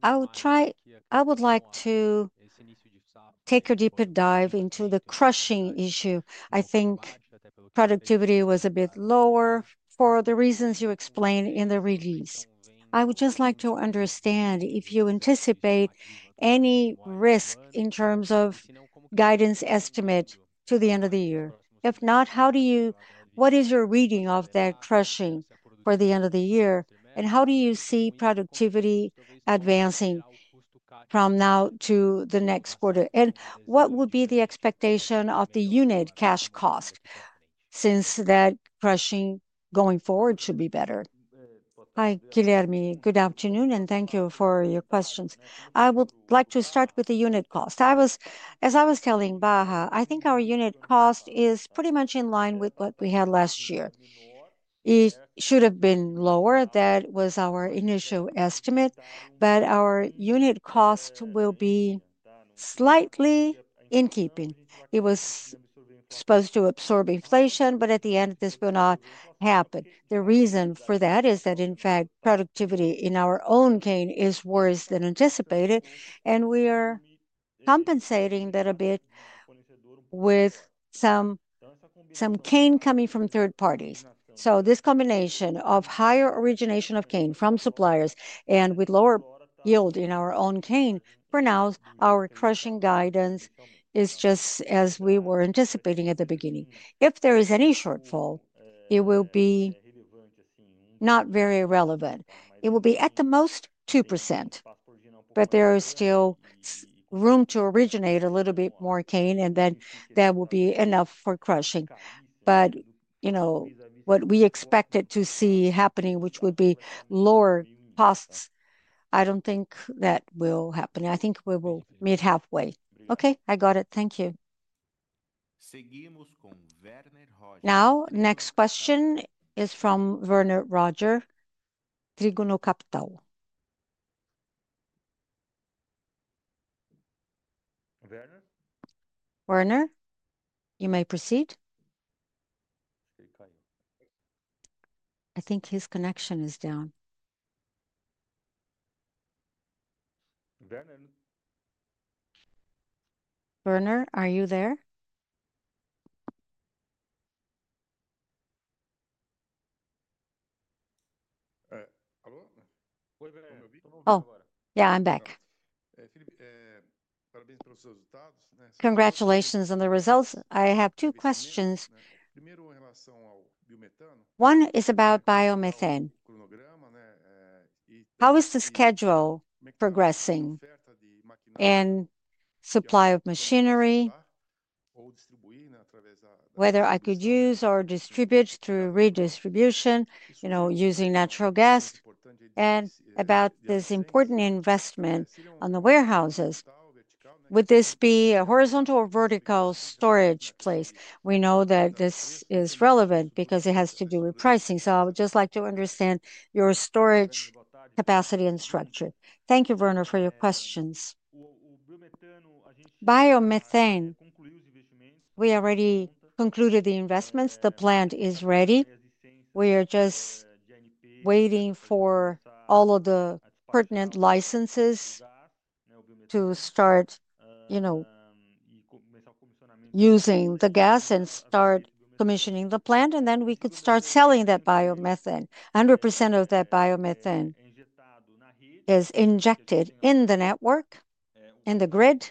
I would like to take a deeper dive into the crushing issue. I think productivity was a bit lower for the reasons you explained in the release. I would just like to understand if you anticipate any risk in terms of guidance estimate to the end of the year. If not, what is your reading of that crushing for the end of the year, and how do you see productivity advancing from now to the next quarter? What would be the expectation of the unit cash cost since that crushing going forward should be better? Hi, Guilherme. Good afternoon, and thank you for your questions. I would like to start with the unit cost. As I was telling Baja, I think our unit cost is pretty much in line with what we had last year. It should have been lower. That was our initial estimate. Our unit cost will be slightly in keeping. It was supposed to absorb inflation, but at the end, this will not happen. The reason for that is that, in fact, productivity in our own cane is worse than anticipated. We are compensating that a bit with some cane coming from third parties. This combination of higher origination of cane from suppliers and with lower yield in our own cane for now, our crushing guidance is just as we were anticipating at the beginning. If there is any shortfall, it will be not very relevant. It will be at the most 2%. There is still room to originate a little bit more cane, and that will be enough for crushing. What we expected to see happening, which would be lower costs, I don't think that will happen. I think we will meet halfway. Okay. I got it. Thank you. Now, next question is from Werner Roger, Tribunal Capital. Werner? You may proceed. I think his connection is down. Werner, are you there? Oh, yeah, I'm back. Congratulations on the results. I have two questions. One is about biomethane. How is the schedule progressing? Supply of machinery, whether I could use or distribute through redistribution, you know, using natural gas. About this important investment on the warehouses, would this be a horizontal or vertical storage place? We know that this is relevant because it has to do with pricing. I would just like to understand your storage capacity and structure. Thank you, Werner, for your questions. Biomethane, we already concluded the investments. The plant is ready. We are just waiting for all of the pertinent licenses to start, you know, using the gas and start commissioning the plant. We could start selling that biomethane. 100% of that biomethane is injected in the network, in the grid,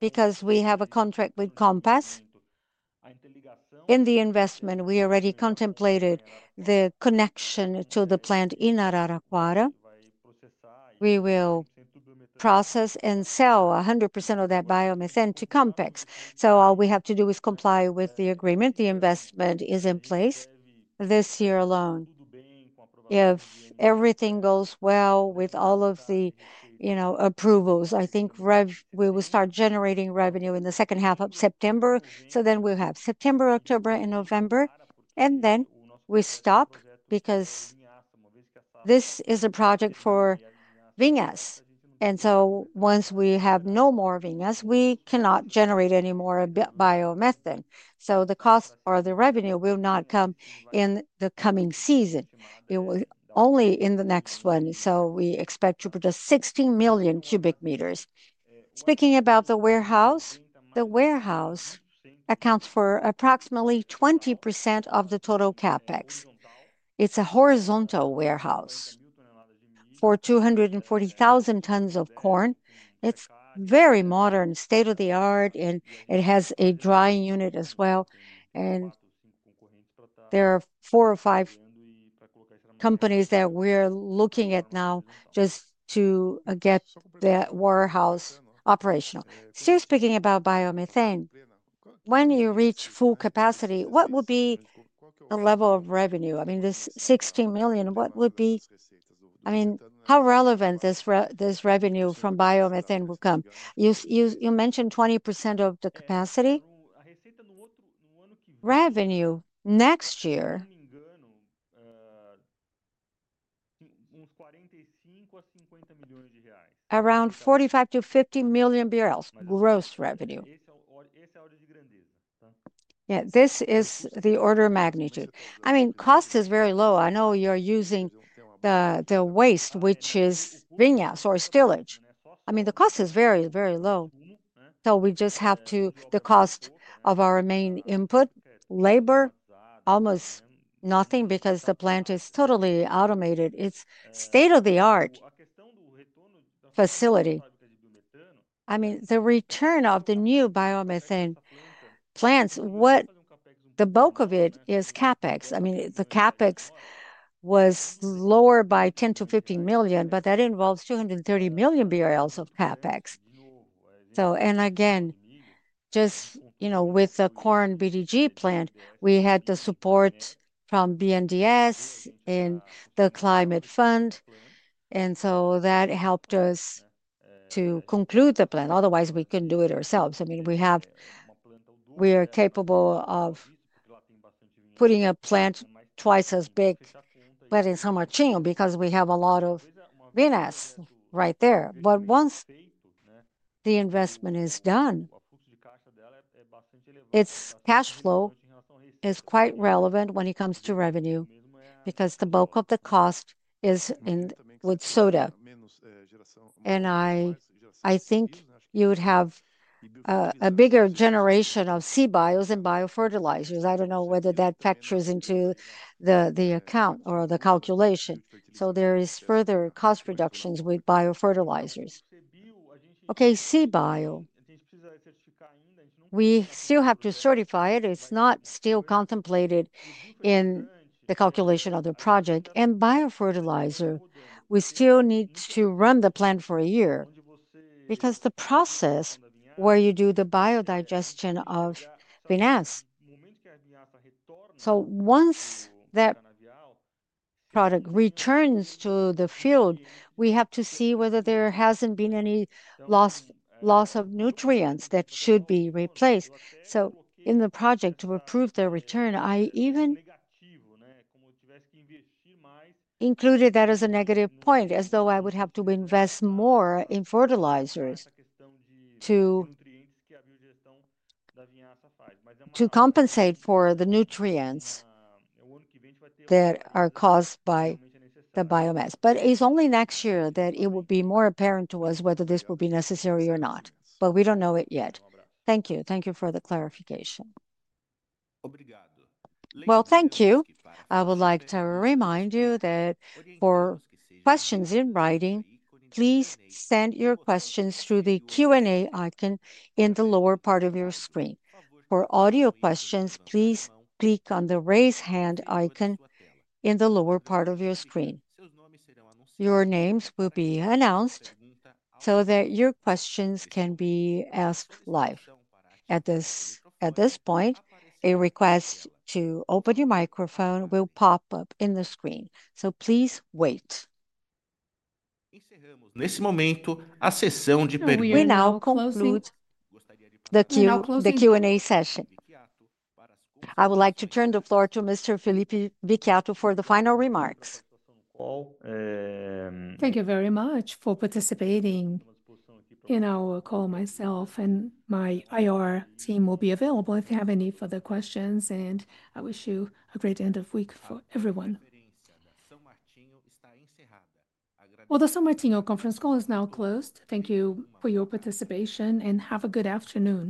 because we have a contract with Compass. In the investment, we already contemplated the connection to the plant in Araraquara. We will process and sell 100% of that biomethane to Compass. All we have to do is comply with the agreement. The investment is in place this year alone. If everything goes well with all of the approvals, I think we will start generating revenue in the second half of September. We will have September, October, and November. We stop because this is a project for vinasse. Once we have no more vinasse, we cannot generate any more biomethane. The cost or the revenue will not come in the coming season. It will only in the next one. We expect to produce 16 million cubic meters. Speaking about the warehouse, the warehouse accounts for approximately 20% of the total CapEx. It's a horizontal warehouse for 240,000 tons of corn. It's very modern, state-of-the-art, and it has a drying unit as well. There are four or five companies that we're looking at now just to get that warehouse operational. Still speaking about biomethane, when you reach full capacity, what will be the level of revenue? I mean, this 16 million, what would be, I mean, how relevant this revenue from biomethane will come? You mentioned 20% of the capacity. Revenue next year, around R$45 million to R$50 million, gross revenue. Yeah, this is the order of magnitude. Cost is very low. I know you're using the waste, which is vinasse or stillage. The cost is very, very low. We just have to, the cost of our main input, labor, almost nothing because the plant is totally automated. It's a state-of-the-art facility. The return of the new biomethane plants, what the bulk of it is CapEx. The CapEx was lower by R$10 million to R$15 million, but that involves R$230 million of CapEx. With the corn DDGS plant, we had the support from BNDES and the climate fund. That helped us to conclude the plan, otherwise we couldn't do it ourselves. We are capable of putting a plant twice as big in São Martinho because we have a lot of minas right there. Once the investment is done, its cash flow is quite relevant when it comes to revenue because the bulk of the cost is in wood soda. I think you would have a bigger generation of CBios and biofertilizers. I don't know whether that factors into the account or the calculation. There are further cost reductions with biofertilizers. Okay, see bio. We still have to certify it. It's not still contemplated in the calculation of the project. Biofertilizer, we still need to run the plant for a year because the process where you do the biodigestion of minas. Once that product returns to the field, we have to see whether there hasn't been any loss of nutrients that should be replaced. In the project to approve their return, I even included that as a negative point, as though I would have to invest more in fertilizers to compensate for the nutrients that are caused by the biomass. It's only next year that it will be more apparent to us whether this will be necessary or not. We don't know it yet. Thank you. Thank you for the clarification. Thank you. I would like to remind you that for questions in writing, please send your questions through the Q&A icon in the lower part of your screen. For audio questions, please click on the raise hand icon in the lower part of your screen. Your names will be announced so that your questions can be asked live. At this point, a request to open your microphone will pop up in the screen. Please wait. At this time, the question-and-answer session is closed. We now conclude the Q&A session. I would like to turn the floor to Mr. Filipe Viquiato for the final remarks. Thank you very much for participating in our call. Myself and my IR team will be available if you have any further questions. I wish you a great end of week for everyone. The São Martinho conference call is now closed. Thank you for your participation and have a good afternoon.